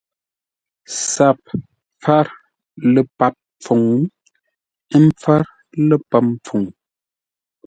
SAP pfár ləpap pfuŋ, ə́ pfár ləpəm pfuŋ.